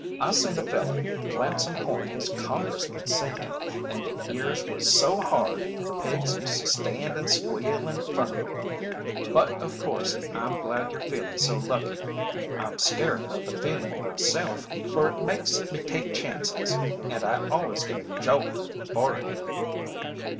I seen a feller plant some corn his Congressman sent him and the ears was so hard the pigs used to stand and squeal in front of 'em. But of course I'm glad you're feelin' so lucky; I'm scairt of the feelin' myself for it makes me take chances and I always git a jolt for it."